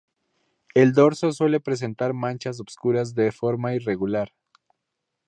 El dorso suele presentar manchas oscuras de forma irregular.